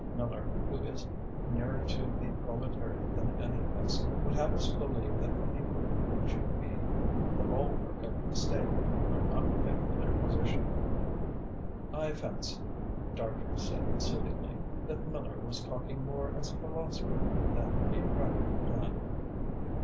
Miller, who is nearer to the proletariat than any of us, would have us believe that the people who should be the bulwark of the State are not fit for their position." "I fancy," Dartrey said soothingly, "that Miller was talking more as a philosopher than a practical man."